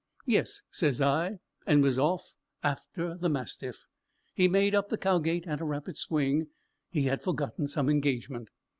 "Yes," said I, and was off after the mastiff. He made up the Cowgate at a rapid swing; he had forgotten some engagement.